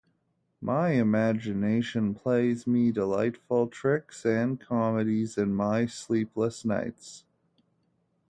My imagination plays me delightful tricks and comedies in my sleepless nights.